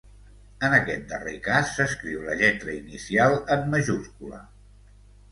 En aquest darrer cas s'escriu la lletra inicial en majúscula.